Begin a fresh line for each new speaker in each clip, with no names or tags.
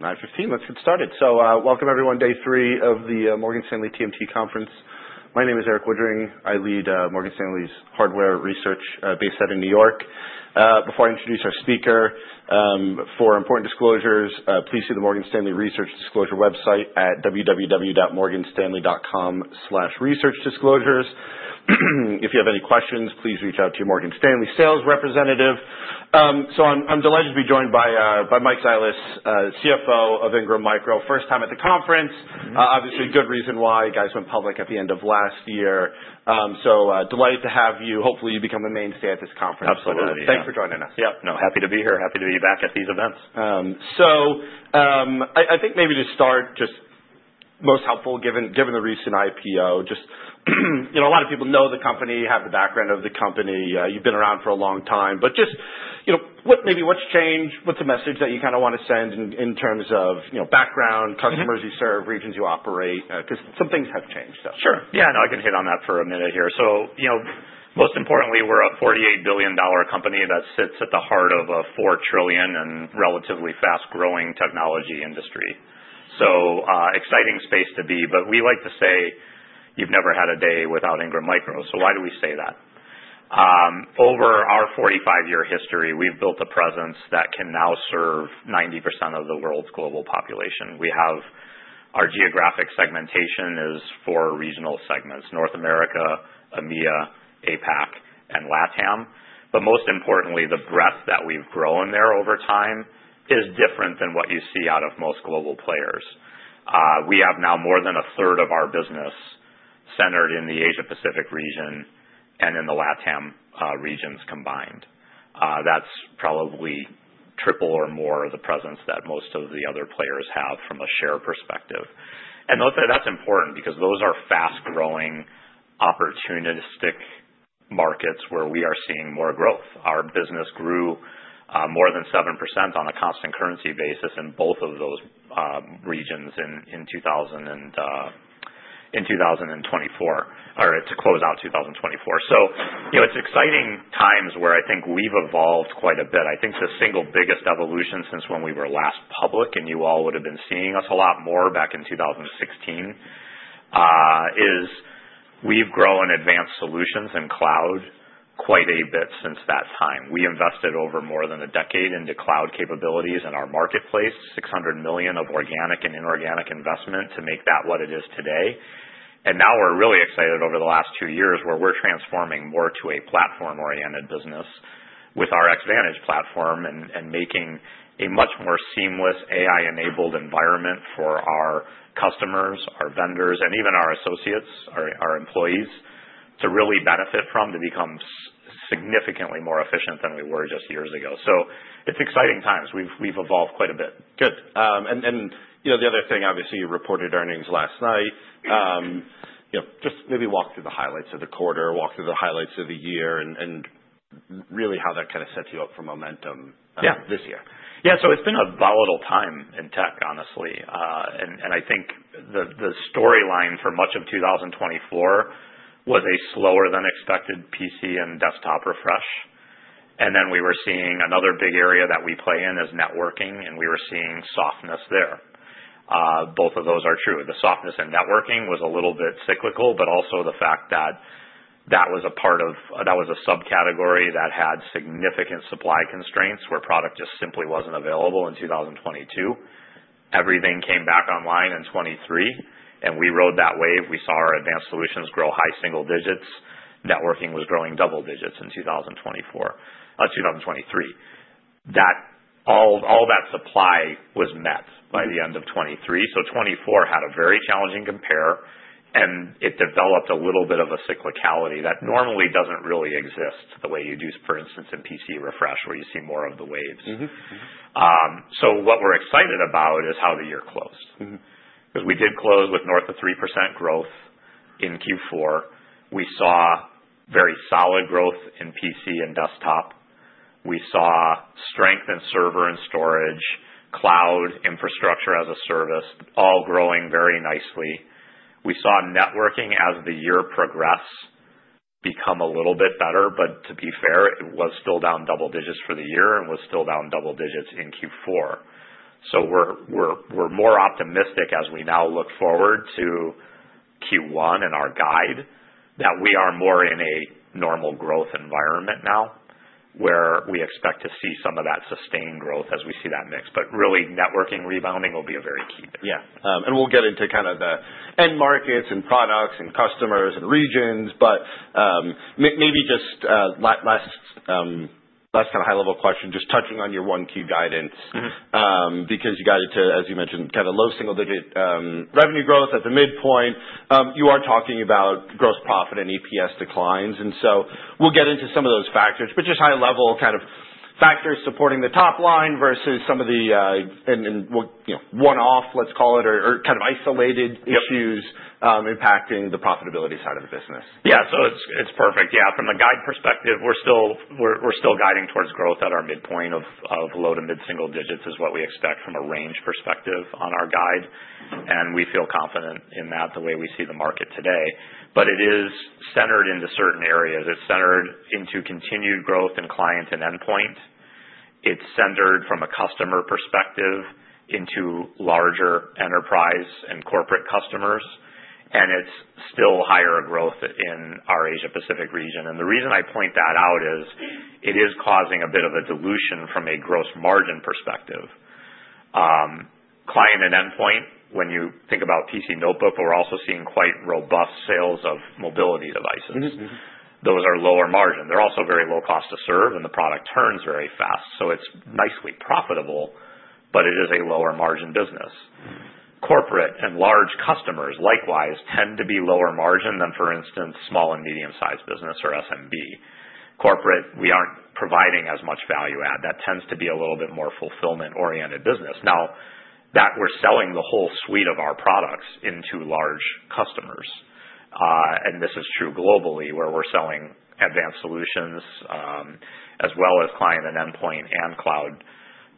All right. 9:15 A.M. Let's get started. So, welcome everyone, day three of the Morgan Stanley TMT Conference. My name is Erik Woodring. I lead Morgan Stanley's hardware research based out in New York. Before I introduce our speaker, for important disclosures, please see the Morgan Stanley Research Disclosure website at www.morganstanley.com/researchdisclosures. If you have any questions, please reach out to your Morgan Stanley sales representative. So, I'm delighted to be joined by Mike Zilis, CFO of Ingram Micro. First time at the conference. Obviously, a good reason why you guys went public at the end of last year. So, delighted to have you. Hopefully, you become a mainstay at this conference.
Absolutely.
Thanks for joining us.
Yeah. No, happy to be here. Happy to be back at these events.
So, I think maybe to start, just most helpful given the recent IPO, just a lot of people know the company, have the background of the company. You've been around for a long time. But just maybe what's changed? What's the message that you kind of want to send in terms of background, customers you serve, regions you operate? Because some things have changed, so.
Sure. Yeah. No, I can hit on that for a minute here, so most importantly, we're a $48 billion company that sits at the heart of a $4 trillion and relatively fast-growing technology industry, so exciting space to be, but we like to say, "You've never had a day without Ingram Micro," so why do we say that? Over our 45-year history, we've built a presence that can now serve 90% of the world's global population. Our geographic segmentation is four regional segments: North America, EMEA, APAC, and LATAM, but most importantly, the breadth that we've grown there over time is different than what you see out of most global players. We have now more than a third of our business centered in the Asia-Pacific region and in the LATAM regions combined. That's probably triple or more of the presence that most of the other players have from a share perspective, and that's important because those are fast-growing opportunistic markets where we are seeing more growth. Our business grew more than 7% on a constant currency basis in both of those regions in 2024, or to close out 2024, so it's exciting times where I think we've evolved quite a bit. I think the single biggest evolution since when we were last public, and you all would have been seeing us a lot more back in 2016, is we've grown Advanced Solutions and Cloud quite a bit since that time. We invested over more than a decade into cloud capabilities in our marketplace, $600 million of organic and inorganic investment to make that what it is today. Now we're really excited over the last two years where we're transforming more to a platform-oriented business with our Xvantage platform and making a much more seamless AI-enabled environment for our customers, our vendors, and even our associates, our employees to really benefit from, to become significantly more efficient than we were just years ago. It's exciting times. We've evolved quite a bit.
Good. And the other thing, obviously, you reported earnings last night. Just maybe walk through the highlights of the quarter, walk through the highlights of the year, and really how that kind of sets you up for momentum this year.
Yeah, so it's been a volatile time in tech, honestly, and I think the storyline for much of 2024 was a slower-than-expected PC and desktop refresh, and then we were seeing another big area that we play in is networking, and we were seeing softness there. Both of those are true. The softness in networking was a little bit cyclical, but also the fact that that was a part of that was a subcategory that had significant supply constraints where product just simply wasn't available in 2022. Everything came back online in 2023, and we rode that wave. We saw our Advanced Solutions grow high single digits. Networking was growing double digits in 2024, 2023. All that supply was met by the end of 2023. 2024 had a very challenging compare, and it developed a little bit of a cyclicality that normally doesn't really exist the way you do, for instance, in PC refresh where you see more of the waves. What we're excited about is how the year closed. Because we did close with north of 3% growth in Q4. We saw very solid growth in PC and desktop. We saw strength in server and storage, cloud, Infrastructure as a Service, all growing very nicely. We saw networking as the year progressed become a little bit better, but to be fair, it was still down double digits for the year and was still down double digits in Q4. We're more optimistic as we now look forward to Q1 and our guidance that we are more in a normal growth environment now where we expect to see some of that sustained growth as we see that mix, but really, networking rebounding will be a very key thing.
Yeah. And we'll get into kind of the end markets and products and customers and regions, but maybe just last kind of high-level question, just touching on your 1Q guidance because you got it to, as you mentioned, kind of low single-digit revenue growth at the midpoint. You are talking about gross profit and EPS declines. And so, we'll get into some of those factors, but just high-level kind of factors supporting the top line versus some of the one-off, let's call it, or kind of isolated issues impacting the profitability side of the business.
Yeah. So, it's perfect. Yeah. From the guide perspective, we're still guiding towards growth at our midpoint of low- to mid-single digits, which is what we expect from a range perspective on our guide. And we feel confident in that, the way we see the market today. But it is centered into certain areas. It's centered into continued growth in client and endpoint. It's centered from a customer perspective into larger enterprise and corporate customers. And it's still higher growth in our Asia-Pacific region. And the reason I point that out is it is causing a bit of a dilution from a gross margin perspective. Client and endpoint, when you think about PC notebook, but we're also seeing quite robust sales of mobility devices. Those are lower margin. They're also very low cost to serve, and the product turns very fast. It's nicely profitable, but it is a lower margin business. Corporate and large customers likewise tend to be lower margin than, for instance, small and medium-sized business or SMB. Corporate, we aren't providing as much value add. That tends to be a little bit more fulfillment-oriented business. Now, that we're selling the whole suite of our products into large customers. This is true globally where we're selling advanced solutions as well as client and endpoint and cloud,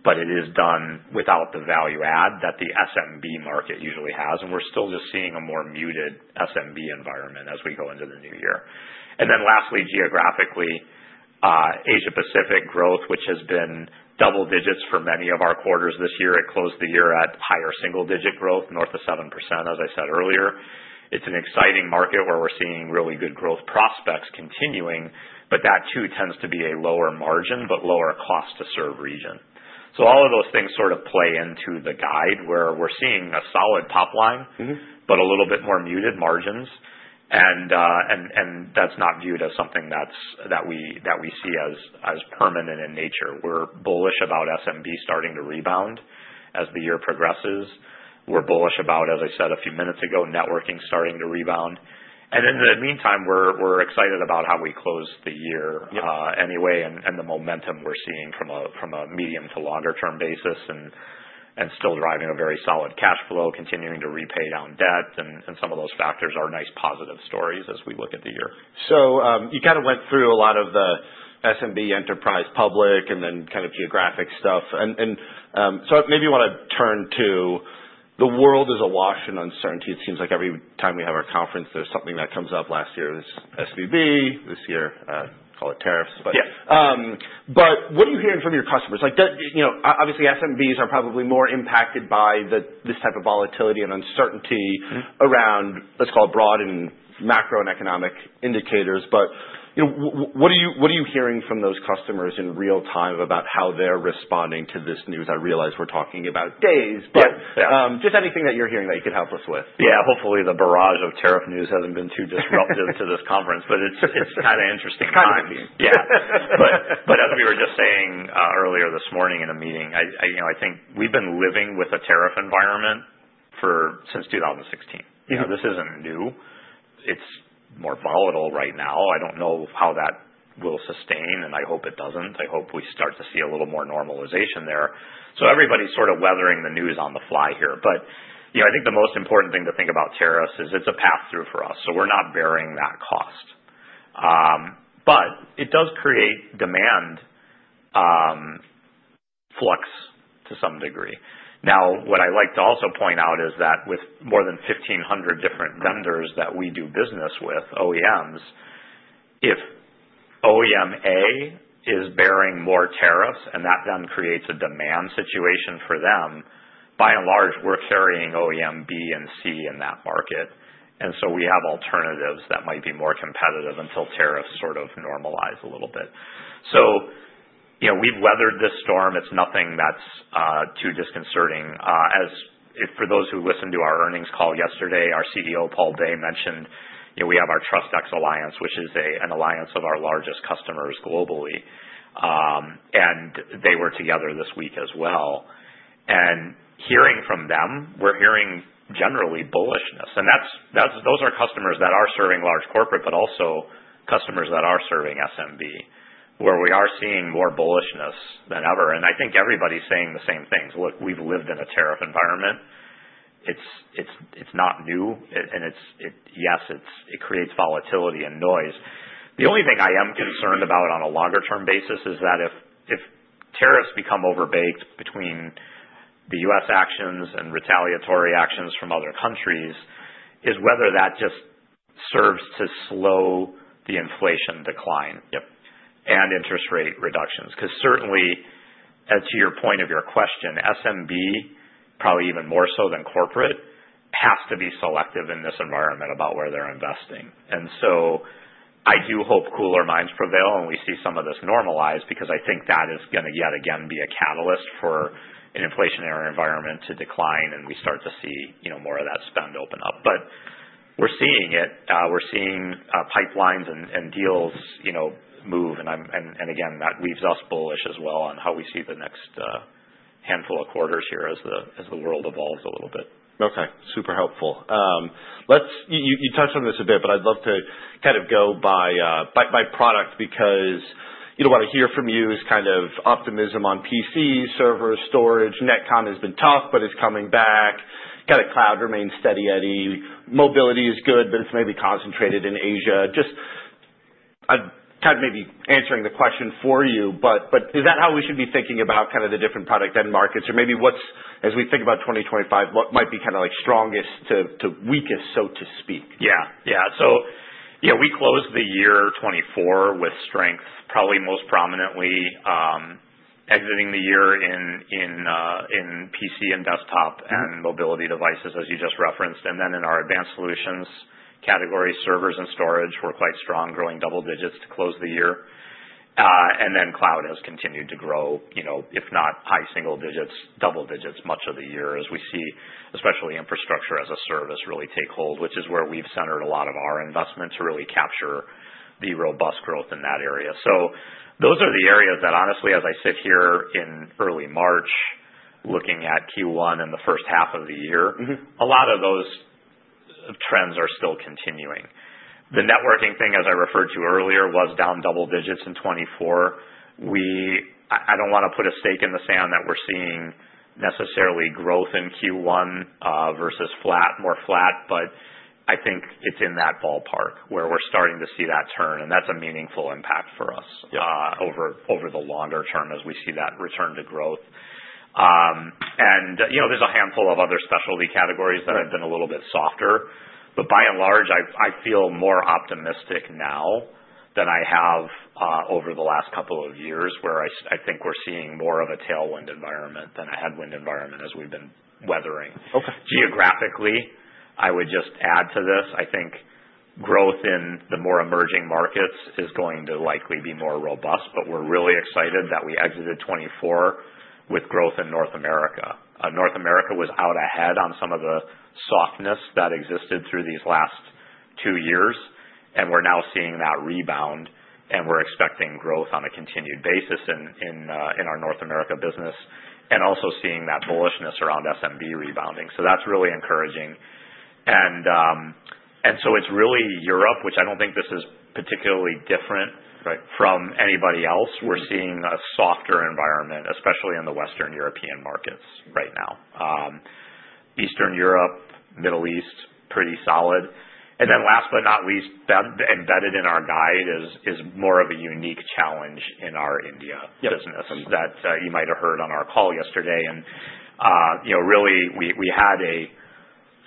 but it is done without the value add that the SMB market usually has. We're still just seeing a more muted SMB environment as we go into the new year. Lastly, geographically, Asia-Pacific growth, which has been double digits for many of our quarters this year. It closed the year at higher single-digit growth, north of 7%, as I said earlier. It's an exciting market where we're seeing really good growth prospects continuing, but that too tends to be a lower margin but lower cost to serve region. So, all of those things sort of play into the guide where we're seeing a solid top line, but a little bit more muted margins. And that's not viewed as something that we see as permanent in nature. We're bullish about SMB starting to rebound as the year progresses. We're bullish about, as I said a few minutes ago, networking starting to rebound. And in the meantime, we're excited about how we close the year anyway and the momentum we're seeing from a medium to longer-term basis and still driving a very solid cash flow, continuing to repay down debt. And some of those factors are nice positive stories as we look at the year.
So, you kind of went through a lot of the SMB enterprise public and then kind of geographic stuff. And so, maybe you want to turn to the world is awash in uncertainty. It seems like every time we have our conference, there's something that comes up. Last year was SVB, this year call it tariffs. But what are you hearing from your customers? Obviously, SMBs are probably more impacted by this type of volatility and uncertainty around, let's call it broad and macro and economic indicators. But what are you hearing from those customers in real time about how they're responding to this news? I realize we're talking about days, but just anything that you're hearing that you could help us with.
Yeah. Hopefully, the barrage of tariff news hasn't been too disruptive to this conference, but it's kind of interesting.
Kind of interesting.
Yeah. But as we were just saying earlier this morning in a meeting, I think we've been living with a tariff environment since 2016. This isn't new. It's more volatile right now. I don't know how that will sustain, and I hope it doesn't. I hope we start to see a little more normalization there. So, everybody's sort of weathering the news on the fly here. But I think the most important thing to think about tariffs is it's a pass-through for us. So, we're not bearing that cost. But it does create demand flux to some degree. Now, what I like to also point out is that with more than 1,500 different vendors that we do business with, OEMs, if OEM A is bearing more tariffs and that then creates a demand situation for them, by and large, we're carrying OEM B and C in that market. And so, we have alternatives that might be more competitive until tariffs sort of normalize a little bit. So, we've weathered this storm. It's nothing that's too disconcerting. For those who listened to our earnings call yesterday, our CEO, Paul Bay, mentioned we have our Trust X Alliance, which is an alliance of our largest customers globally. And they were together this week as well. And hearing from them, we're hearing generally bullishness. And those are customers that are serving large corporate, but also customers that are serving SMB, where we are seeing more bullishness than ever. And I think everybody's saying the same things. Look, we've lived in a tariff environment. It's not new. And yes, it creates volatility and noise. The only thing I am concerned about on a longer-term basis is that if tariffs become overbaked between the US actions and retaliatory actions from other countries, is whether that just serves to slow the inflation decline and interest rate reductions. Because certainly, to your point of your question, SMB, probably even more so than corporate, has to be selective in this environment about where they're investing. And so, I do hope cooler minds prevail and we see some of this normalize because I think that is going to yet again be a catalyst for an inflationary environment to decline and we start to see more of that spend open up. But we're seeing it. We're seeing pipelines and deals move. And again, that leaves us bullish as well on how we see the next handful of quarters here as the world evolves a little bit.
Okay. Super helpful. You touched on this a bit, but I'd love to kind of go by product because what I hear from you is kind of optimism on PC, server, storage. NetCom has been tough, but it's coming back. Kind of cloud remains steady, Eddie. Mobility is good, but it's maybe concentrated in Asia. Just kind of maybe answering the question for you, but is that how we should be thinking about kind of the different product end markets? Or maybe as we think about 2025, what might be kind of strongest to weakest, so to speak?
Yeah. Yeah. So, yeah, we closed the year 2024 with strengths, probably most prominently exiting the year in PC and desktop and mobility devices, as you just referenced. And then in our Advanced Solutions category, servers and storage, we're quite strong, growing double digits to close the year. And then cloud has continued to grow, if not high single digits, double digits much of the year as we see especially Infrastructure as a Service really take hold, which is where we've centered a lot of our investment to really capture the robust growth in that area. So, those are the areas that honestly, as I sit here in early March looking at Q1 and the first half of the year, a lot of those trends are still continuing. The networking thing, as I referred to earlier, was down double digits in 2024. I don't want to put a stake in the sand that we're seeing necessarily growth in Q1 versus flat, more flat, but I think it's in that ballpark where we're starting to see that turn. That's a meaningful impact for us over the longer term as we see that return to growth. There's a handful of other specialty categories that have been a little bit softer. By and large, I feel more optimistic now than I have over the last couple of years where I think we're seeing more of a tailwind environment than a headwind environment as we've been weathering. Geographically, I would just add to this. I think growth in the more emerging markets is going to likely be more robust, but we're really excited that we exited 2024 with growth in North America. North America was out ahead on some of the softness that existed through these last two years, and we're now seeing that rebound, and we're expecting growth on a continued basis in our North America business and also seeing that bullishness around SMB rebounding. So, that's really encouraging, and so it's really Europe, which I don't think this is particularly different from anybody else. We're seeing a softer environment, especially in the Western European markets right now. Eastern Europe, Middle East, pretty solid, and then last but not least, embedded in our guide is more of a unique challenge in our India business that you might have heard on our call yesterday, and really, we had a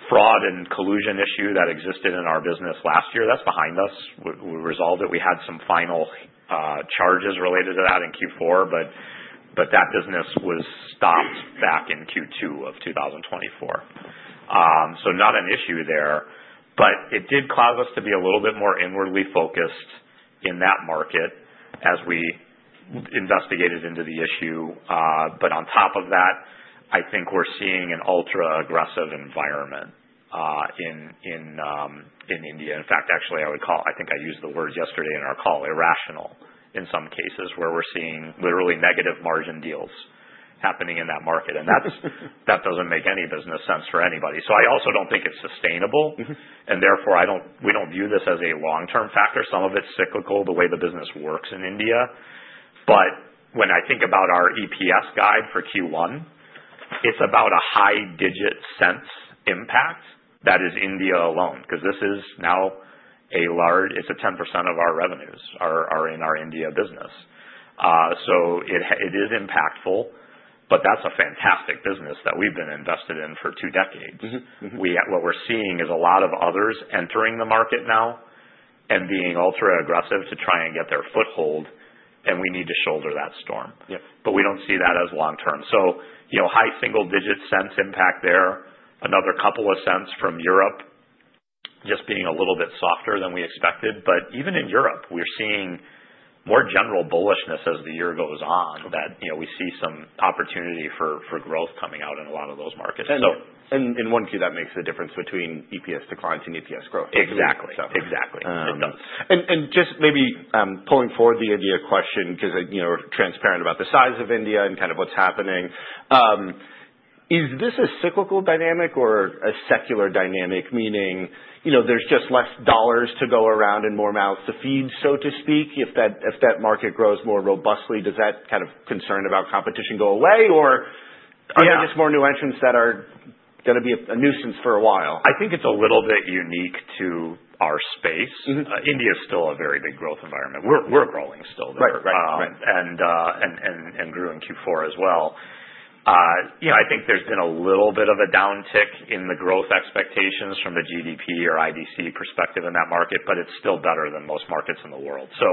fraud and collusion issue that existed in our business last year that's behind us. We resolved it. We had some final charges related to that in Q4, but that business was stopped back in Q2 of 2024. So, not an issue there, but it did cause us to be a little bit more inwardly focused in that market as we investigated into the issue. But on top of that, I think we're seeing an ultra-aggressive environment in India. In fact, actually, I would call, I think I used the word yesterday in our call, irrational in some cases where we're seeing literally negative margin deals happening in that market. And that doesn't make any business sense for anybody. So, I also don't think it's sustainable. And therefore, we don't view this as a long-term factor. Some of it's cyclical, the way the business works in India. But when I think about our EPS guide for Q1, it's about a high single-digit cents impact from India alone because this is now large. It's 10% of our revenues in our India business. So, it is impactful, but that's a fantastic business that we've been invested in for two decades. What we're seeing is a lot of others entering the market now and being ultra-aggressive to try and get their foothold, and we need to weather that storm. But we don't see that as long-term. So, high single-digit cents impact there. Another couple of cents from Europe just being a little bit softer than we expected. But even in Europe, we're seeing more general bullishness as the year goes on that we see some opportunity for growth coming out in a lot of those markets.
In one key, that makes the difference between EPS declines and EPS growth.
Exactly. Exactly. It does.
And just maybe pulling forward the India question because transparent about the size of India and kind of what's happening. Is this a cyclical dynamic or a secular dynamic? Meaning there's just less dollars to go around and more mouths to feed, so to speak? If that market grows more robustly, does that kind of concern about competition go away, or are there just more new entrants that are going to be a nuisance for a while?
I think it's a little bit unique to our space. India is still a very big growth environment. We're growing still there and grew in Q4 as well. I think there's been a little bit of a downtick in the growth expectations from the GDP or IDC perspective in that market, but it's still better than most markets in the world, so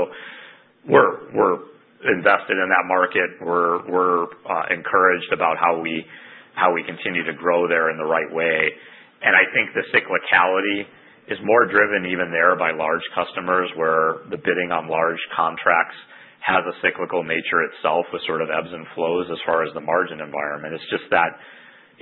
we're invested in that market. We're encouraged about how we continue to grow there in the right way, and I think the cyclicality is more driven even there by large customers where the bidding on large contracts has a cyclical nature itself with sort of ebbs and flows as far as the margin environment. It's just that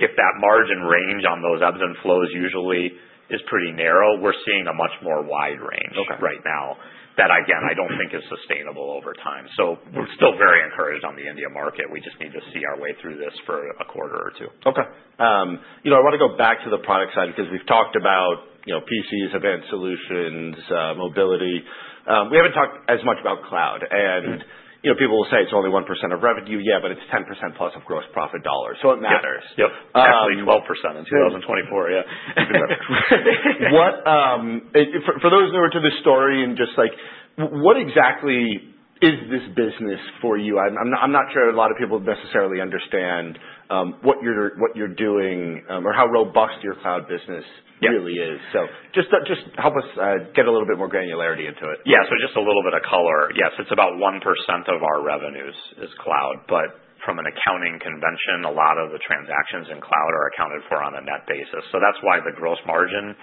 if that margin range on those ebbs and flows usually is pretty narrow, we're seeing a much more wide range right now that, again, I don't think is sustainable over time. So, we're still very encouraged on the India market. We just need to see our way through this for a quarter or two.
Okay. I want to go back to the product side because we've talked about PCs, Advanced Solutions, mobility. We haven't talked as much about cloud. And people will say it's only 1% of revenue. Yeah, but it's 10% plus of gross profit dollars. So, it matters.
Yep. Actually, 12% in 2024. Yeah.
For those newer to the story and just like, what exactly is this business for you? I'm not sure a lot of people necessarily understand what you're doing or how robust your cloud business really is, so just help us get a little bit more granularity into it.
Yeah. So, just a little bit of color. Yes. It's about 1% of our revenues is cloud. But from an accounting convention, a lot of the transactions in cloud are accounted for on a net basis. So, that's why the gross margin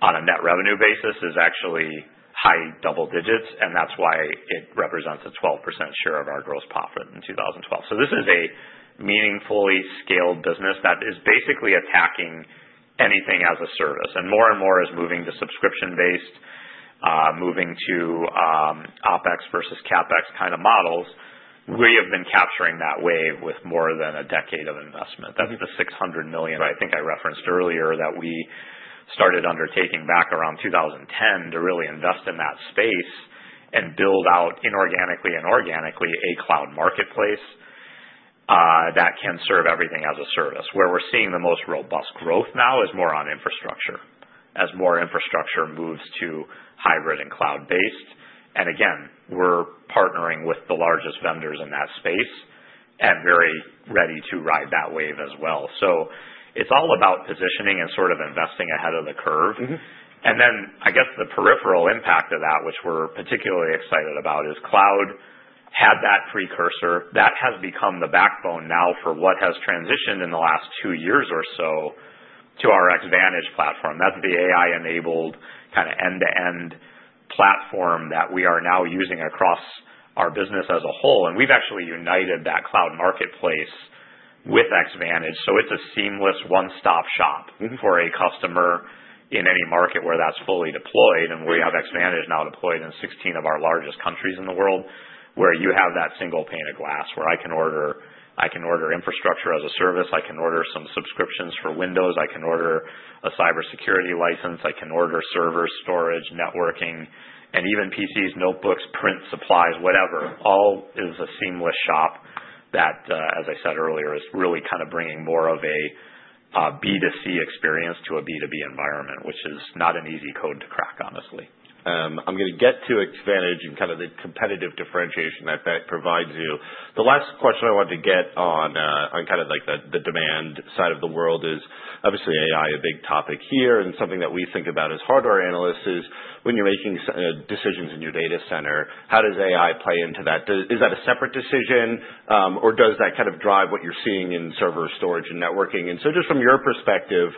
on a net revenue basis is actually high double digits. And that's why it represents a 12% share of our gross profit in 2012. So, this is a meaningfully scaled business that is basically attacking anything as a service. And more and more is moving to subscription-based, moving to OpEx versus CapEx kind of models. We have been capturing that wave with more than a decade of investment. That's the $600 million. I think I referenced earlier that we started undertaking back around 2010 to really invest in that space and build out inorganically and organically a cloud marketplace that can serve everything as a service. Where we're seeing the most robust growth now is more on infrastructure as more infrastructure moves to hybrid and cloud-based. And again, we're partnering with the largest vendors in that space and very ready to ride that wave as well. So, it's all about positioning and sort of investing ahead of the curve. And then I guess the peripheral impact of that, which we're particularly excited about, is cloud had that precursor. That has become the backbone now for what has transitioned in the last two years or so to our Xvantage platform. That's the AI-enabled kind of end-to-end platform that we are now using across our business as a whole. And we've actually united that cloud marketplace with Xvantage. So, it's a seamless one-stop shop for a customer in any market where that's fully deployed. We have Xvantage now deployed in 16 of our largest countries in the world where you have that single pane of glass where I can order Infrastructure as a Service. I can order some subscriptions for Windows. I can order a cybersecurity license. I can order server storage, networking, and even PCs, notebooks, print supplies, whatever. All is a seamless shop that, as I said earlier, is really kind of bringing more of a B2C experience to a B2B environment, which is not an easy code to crack, honestly.
I'm going to get to Xvantage and kind of the competitive differentiation that that provides you. The last question I wanted to get on kind of like the demand side of the world is obviously AI, a big topic here and something that we think about as hardware analysts is when you're making decisions in your data center, how does AI play into that? Is that a separate decision, or does that kind of drive what you're seeing in server storage and networking? And so, just from your perspective,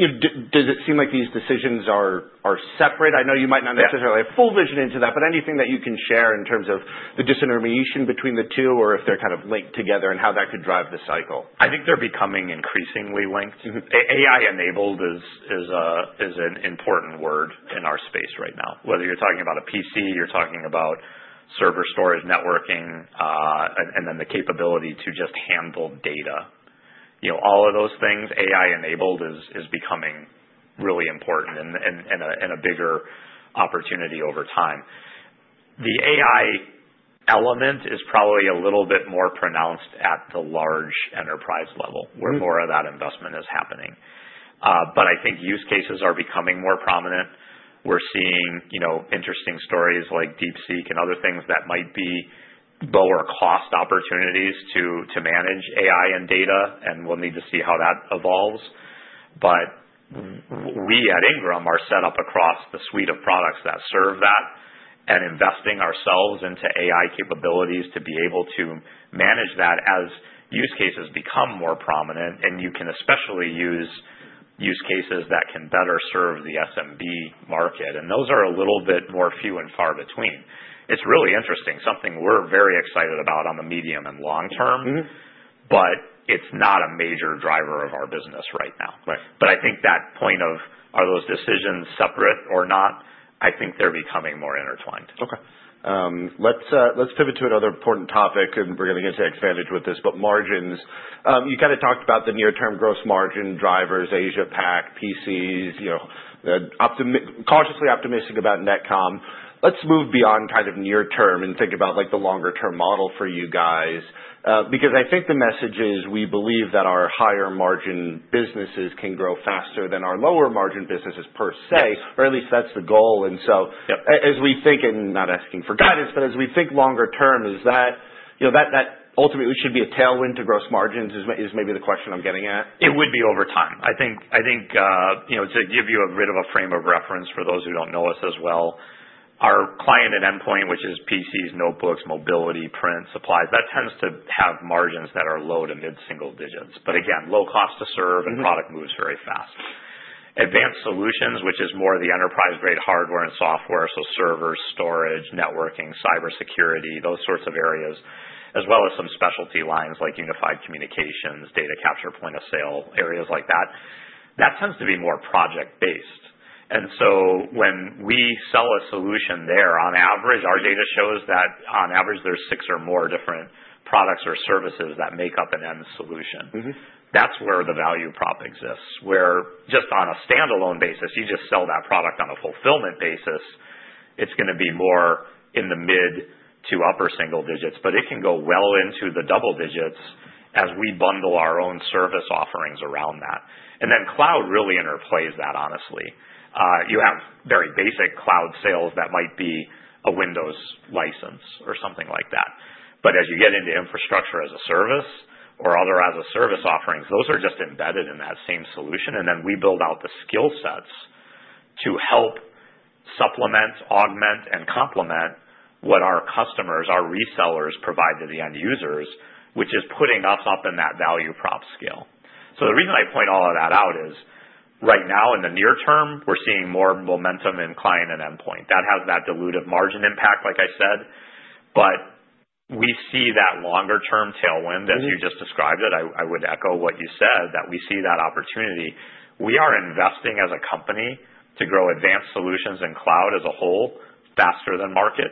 does it seem like these decisions are separate? I know you might not necessarily have full vision into that, but anything that you can share in terms of the disintermediation between the two or if they're kind of linked together and how that could drive the cycle?
I think they're becoming increasingly linked. AI-enabled is an important word in our space right now. Whether you're talking about a PC, you're talking about server storage, networking, and then the capability to just handle data. All of those things, AI-enabled is becoming really important and a bigger opportunity over time. The AI element is probably a little bit more pronounced at the large enterprise level where more of that investment is happening. But I think use cases are becoming more prominent. We're seeing interesting stories like DeepSeek and other things that might be lower-cost opportunities to manage AI and data, and we'll need to see how that evolves. But we at Ingram are set up across the suite of products that serve that and investing ourselves into AI capabilities to be able to manage that as use cases become more prominent. You can especially use cases that can better serve the SMB market. Those are a little bit more few and far between. It's really interesting, something we're very excited about on the medium and long term, but it's not a major driver of our business right now. I think that point of are those decisions separate or not, I think they're becoming more intertwined.
Okay. Let's pivot to another important topic, and we're going to get to Xvantage with this, but margins. You kind of talked about the near-term gross margin drivers, Asia Pac, PCs, cautiously optimistic about NetCom. Let's move beyond kind of near-term and think about the longer-term model for you guys because I think the message is we believe that our higher-margin businesses can grow faster than our lower-margin businesses per se, or at least that's the goal. And so, as we think, and not asking for guidance, but as we think longer term, is that ultimately should be a tailwind to gross margins? Is maybe the question I'm getting at?
It would be over time. I think to give you a bit of a frame of reference for those who don't know us as well, our Client and Endpoint, which is PCs, notebooks, mobility, print, supplies, that tends to have margins that are low- to mid-single digits. But again, low cost to serve and product moves very fast. Advanced Solutions, which is more of the enterprise-grade hardware and software, so servers, storage, networking, cybersecurity, those sorts of areas, as well as some specialty lines like unified communications, data capture point of sale, areas like that, that tends to be more project-based. And so, when we sell a solution there, on average, our data shows that on average, there's six or more different products or services that make up an end solution. That's where the value prop exists. We're just on a standalone basis, you just sell that product on a fulfillment basis, it's going to be more in the mid- to upper-single digits, but it can go well into the double digits as we bundle our own service offerings around that. And then cloud really interplays that, honestly. You have very basic cloud sales that might be a Windows license or something like that. But as you get into Infrastructure as a Service or other as-a-service offerings, those are just embedded in that same solution. And then we build out the skill sets to help supplement, augment, and complement what our customers, our resellers provide to the end users, which is putting us up in that value prop scale. So, the reason I point all of that out is right now in the near term, we're seeing more momentum in Client and Endpoint. That has that dilutive margin impact, like I said. But we see that longer-term tailwind, as you just described it. I would echo what you said that we see that opportunity. We are investing as a company to grow Advanced Solutions and cloud as a whole faster than market.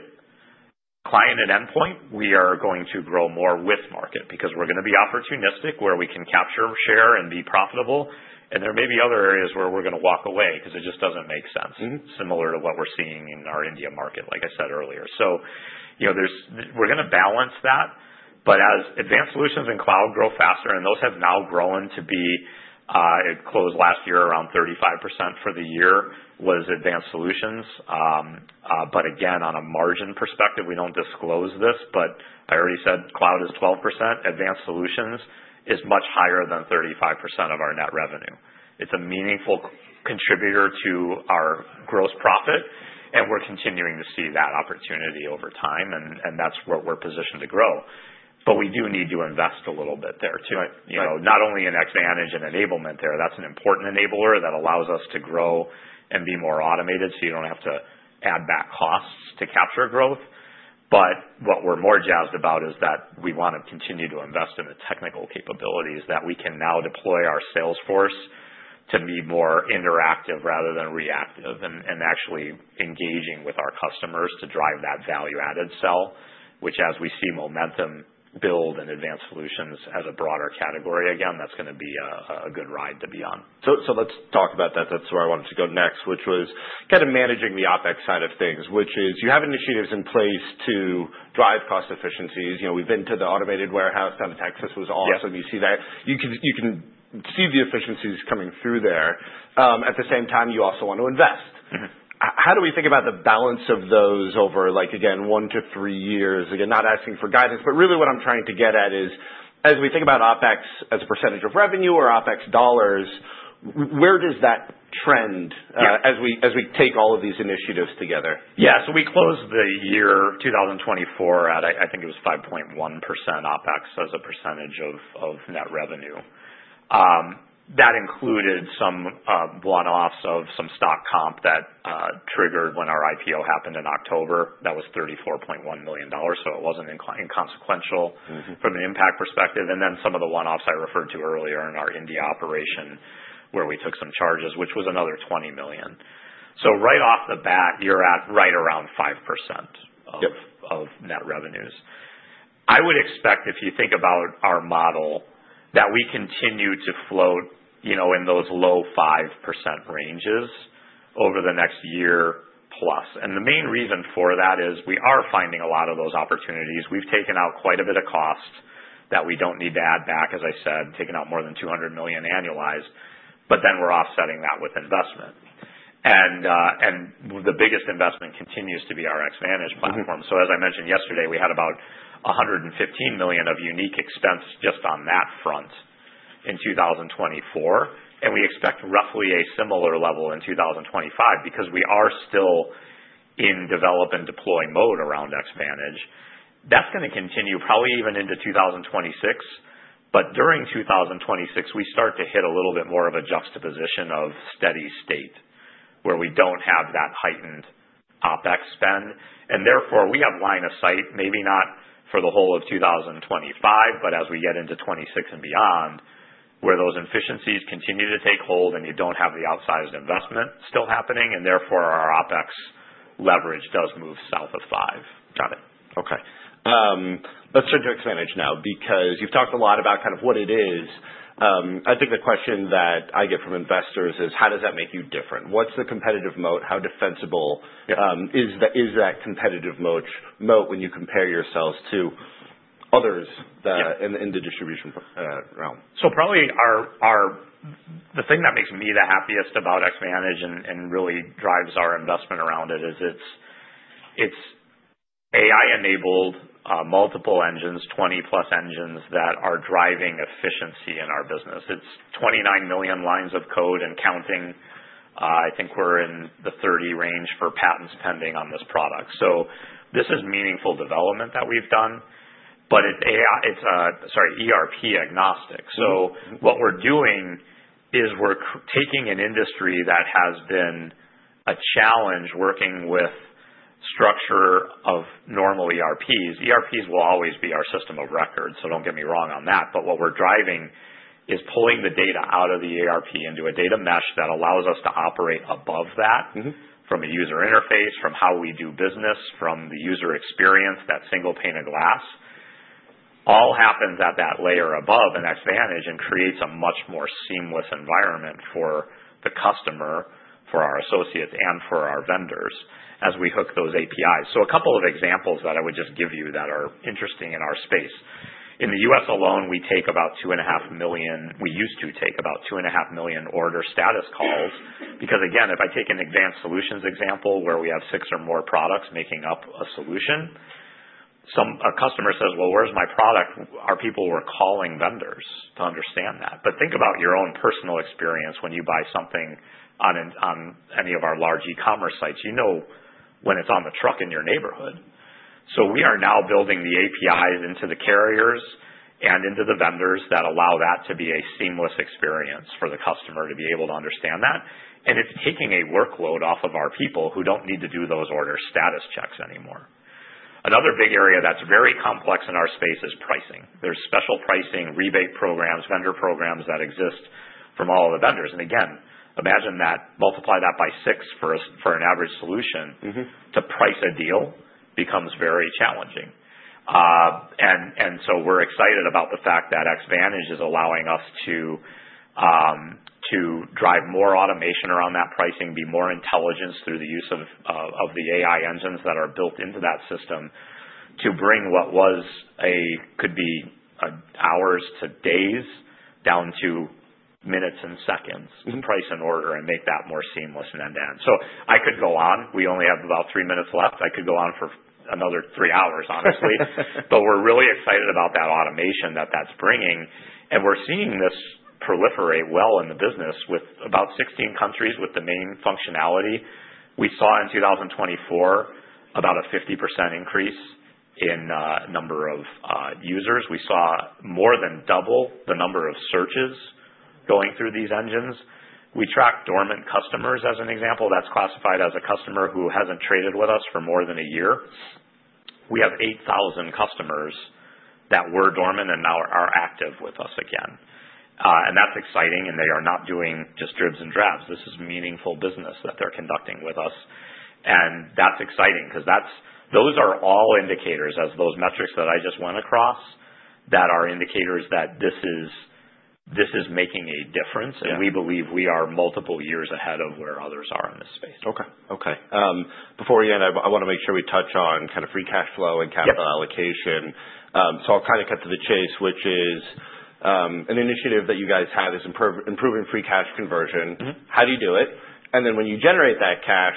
Client and Endpoint, we are going to grow more with market because we're going to be opportunistic where we can capture share and be profitable. And there may be other areas where we're going to walk away because it just doesn't make sense, similar to what we're seeing in our India market, like I said earlier. So, we're going to balance that. But as Advanced Solutions and cloud grow faster, and those have now grown to be it closed last year around 35% for the year was Advanced Solutions. But again, on a margin perspective, we don't disclose this, but I already said cloud is 12%. Advanced Solutions is much higher than 35% of our net revenue. It's a meaningful contributor to our gross profit. And we're continuing to see that opportunity over time. And that's what we're positioned to grow. But we do need to invest a little bit there too. Not only in Xvantage and enablement there. That's an important enabler that allows us to grow and be more automated so you don't have to add back costs to capture growth. But what we're more jazzed about is that we want to continue to invest in the technical capabilities that we can now deploy our sales force to be more interactive rather than reactive and actually engaging with our customers to drive that value-added sell, which as we see momentum build in advanced solutions as a broader category, again, that's going to be a good ride to be on.
Let's talk about that. That's where I wanted to go next, which was kind of managing the OpEX side of things, which is you have initiatives in place to drive cost efficiencies. We've been to the automated warehouse down in Texas. It was awesome. You see that. You can see the efficiencies coming through there. At the same time, you also want to invest. How do we think about the balance of those over, again, one to three years? Again, not asking for guidance, but really what I'm trying to get at is as we think about OpEX as a percentage of revenue or OpEX dollars, where does that trend as we take all of these initiatives together?
Yeah. So, we closed the year 2024 at, I think it was 5.1% OpEX as a percentage of net revenue. That included some one-offs of some stock comp that triggered when our IPO happened in October. That was $34.1 million. So, it wasn't inconsequential from an impact perspective. And then some of the one-offs I referred to earlier in our India operation where we took some charges, which was another $20 million. So, right off the bat, you're at right around 5% of net revenues. I would expect, if you think about our model, that we continue to float in those low 5% ranges over the next year plus. And the main reason for that is we are finding a lot of those opportunities. We've taken out quite a bit of cost that we don't need to add back, as I said, taking out more than $200 million annualized, but then we're offsetting that with investment. And the biggest investment continues to be our Xvantage platform. So, as I mentioned yesterday, we had about $115 million of unique expense just on that front in 2024. And we expect roughly a similar level in 2025 because we are still in develop and deploy mode around Xvantage. That's going to continue probably even into 2026. But during 2026, we start to hit a little bit more of a juxtaposition of steady state where we don't have that heightened OpEX spend. And therefore, we have line of sight, maybe not for the whole of 2025, but as we get into 2026 and beyond where those efficiencies continue to take hold and you don't have the outsized investment still happening, and therefore our OpEX leverage does move south of five.
Got it. Okay. Let's turn to Xvantage now because you've talked a lot about kind of what it is. I think the question that I get from investors is, how does that make you different? What's the competitive moat? How defensible is that competitive moat when you compare yourselves to others in the distribution realm?
Probably the thing that makes me the happiest about Xvantage and really drives our investment around it is it's AI-enabled multiple engines, 20-plus engines that are driving efficiency in our business. It's 29 million lines of code and counting. I think we're in the 30 range for patents pending on this product. This is meaningful development that we've done, but it's ERP agnostic. What we're doing is we're taking an industry that has been a challenge working with structure of normal ERPs. ERPs will always be our system of record, so don't get me wrong on that. What we're driving is pulling the data out of the ERP into a data mesh that allows us to operate above that from a user interface, from how we do business, from the user experience, that single pane of glass. All happens at that layer above an Xvantage and creates a much more seamless environment for the customer, for our associates, and for our vendors as we hook those APIs. So, a couple of examples that I would just give you that are interesting in our space. In the US alone, we take about two and a half million. We used to take about two and a half million order status calls because, again, if I take an advanced solutions example where we have six or more products making up a solution, a customer says, "Well, where's my product?" Our people were calling vendors to understand that. But think about your own personal experience when you buy something on any of our large e-commerce sites. You know when it's on the truck in your neighborhood. So, we are now building the APIs into the carriers and into the vendors that allow that to be a seamless experience for the customer to be able to understand that. And it's taking a workload off of our people who don't need to do those order status checks anymore. Another big area that's very complex in our space is pricing. There's special pricing, rebate programs, vendor programs that exist from all of the vendors. And again, imagine that. Multiply that by six for an average solution to price a deal becomes very challenging. And so, we're excited about the fact that Xvantage is allowing us to drive more automation around that pricing, be more intelligence through the use of the AI engines that are built into that system to bring what could be hours to days down to minutes and seconds, price an order and make that more seamless end to end. So, I could go on. We only have about three minutes left. I could go on for another three hours, honestly. But we're really excited about that automation that that's bringing. And we're seeing this proliferate well in the business with about 16 countries with the main functionality. We saw in 2024 about a 50% increase in number of users. We saw more than double the number of searches going through these engines. We track dormant customers as an example. That's classified as a customer who hasn't traded with us for more than a year. We have 8,000 customers that were dormant and now are active with us again. And that's exciting. And they are not doing just dribs and drabs. This is meaningful business that they're conducting with us. And that's exciting because those are all indicators, as those metrics that I just went across, that are indicators that this is making a difference. And we believe we are multiple years ahead of where others are in this space.
Okay. Okay. Before we end, I want to make sure we touch on kind of free cash flow and capital allocation. So, I'll kind of cut to the chase, which is an initiative that you guys have is improving free cash conversion. How do you do it? And then when you generate that cash,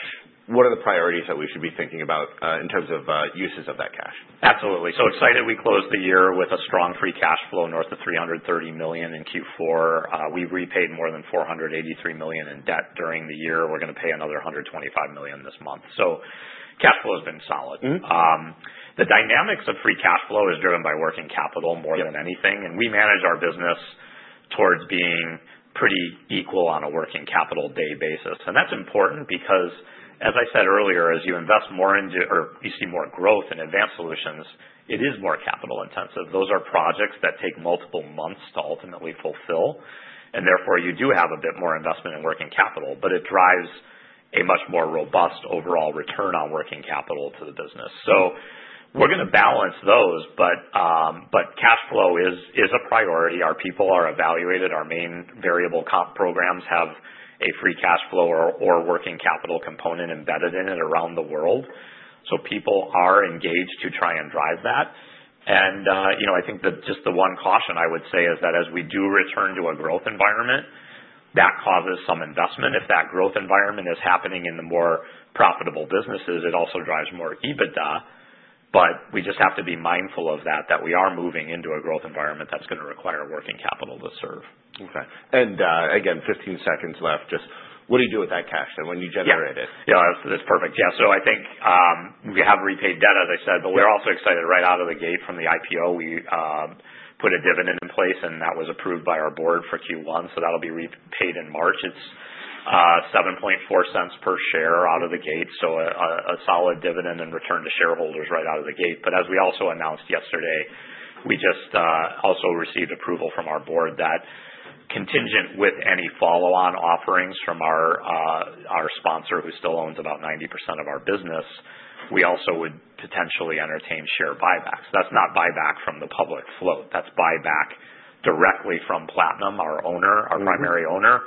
what are the priorities that we should be thinking about in terms of uses of that cash?
Absolutely, so excited we closed the year with a strong free cash flow north of $330 million in Q4. We repaid more than $483 million in debt during the year. We're going to pay another $125 million this month. So, cash flow has been solid. The dynamics of free cash flow is driven by working capital more than anything. We manage our business towards being pretty equal on a working capital day basis. That's important because, as I said earlier, as you invest more into or you see more growth in Advanced Solutions, it is more capital intensive. Those are projects that take multiple months to ultimately fulfill. Therefore, you do have a bit more investment in working capital, but it drives a much more robust overall return on working capital to the business. We're going to balance those, but cash flow is a priority. Our people are evaluated. Our main variable comp programs have a free cash flow or working capital component embedded in it around the world, so people are engaged to try and drive that, and I think that just the one caution I would say is that as we do return to a growth environment, that causes some investment. If that growth environment is happening in the more profitable businesses, it also drives more EBITDA, but we just have to be mindful of that, that we are moving into a growth environment that's going to require working capital to serve.
Okay. And again, 15 seconds left. Just what do you do with that cash then when you generate it?
Yeah. That's perfect. Yeah, so I think we have repaid debt, as I said, but we're also excited right out of the gate from the IPO. We put a dividend in place, and that was approved by our board for Q1, so that'll be repaid in March. It's $7.4 per share out of the gate, so a solid dividend and return to shareholders right out of the gate. But as we also announced yesterday, we just also received approval from our board that contingent with any follow-on offerings from our sponsor, who still owns about 90% of our business, we also would potentially entertain share buybacks. That's not buyback from the public float. That's buyback directly from Platinum, our owner, our primary owner.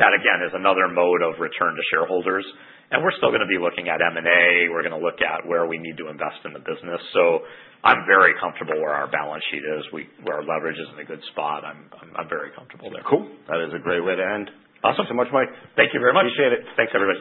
That, again, is another mode of return to shareholders, and we're still going to be looking at M&A. We're going to look at where we need to invest in the business. So, I'm very comfortable where our balance sheet is. Our leverage is in a good spot. I'm very comfortable there.
Cool. That is a great way to end.
Awesome.
Thank you very much.
Appreciate it. Thanks, everybody.